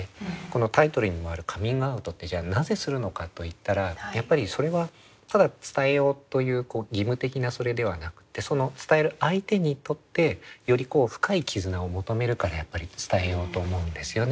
このタイトルにもあるカミングアウトってじゃあなぜするのかといったらやっぱりそれはただ伝えようという義務的なそれではなくてその伝える相手にとってより深い絆を求めるからやっぱり伝えようと思うんですよね。